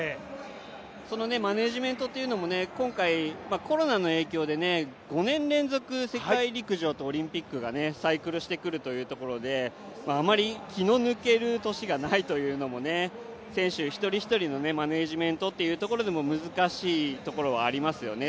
そのマネージメントというのも今回、コロナの影響で５年連続、世界陸上とオリンピックがサイクルしてくるというところであまり気の抜ける年がないというのも選手一人一人のマネージメントというところでも難しいところはありますね。